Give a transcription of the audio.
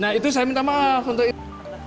nah itu saya minta maaf untuk itu